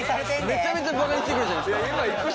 めちゃめちゃバカにしてくるじゃないですか。